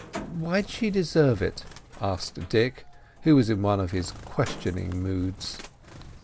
"Why'd she deserve it?" asked Dick, who was in one of his questioning moods.